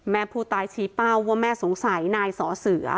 แม่ผู้ตายชี้เป้าว่าแม่สงสัยนายสอเสือ